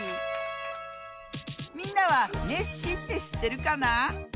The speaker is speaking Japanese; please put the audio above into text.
みんなはネッシーってしってるかな？